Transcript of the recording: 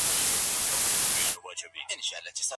د ورکړي پر وخت بايد څه ډول چلند وسي؟